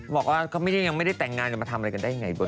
บอกว่าก็ยังไม่ได้แต่งงานจะมาทำอะไรกันได้อย่างไรก็ได้